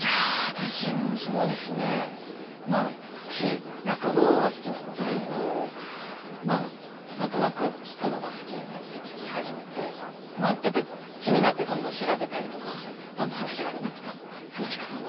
私落語が好きなんですけど何となく聴くのが好きになって聴き始めてやっぱり気になってどんどん調べたりとかどんな話があるかとか噺家さん